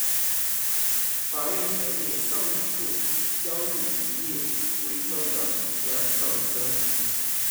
法院裁定上述交易令伟仕的股价上升。